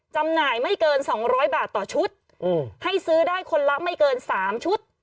จำหน่ายไม่เกิน๒๐๐บาทต่อชุดให้ซื้อได้คนละไม่เกิน๓ชุด